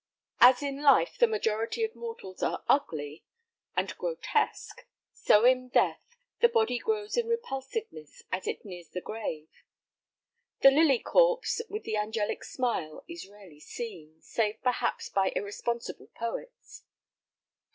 As in life the majority of mortals are ugly and grotesque, so in death the body grows in repulsiveness as it nears the grave. The lily corpse with the angelic smile is rarely seen, save perhaps by irresponsible poets.